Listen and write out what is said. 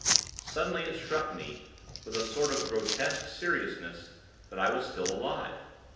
Suddenly, it struck me, with a sort of grotesque seriousness, that I was still alive.